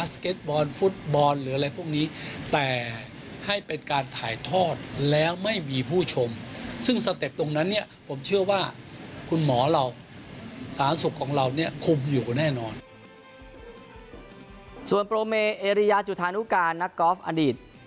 ส่วนโปรเมเอเรียจุธานุการนักกอล์ฟอดีต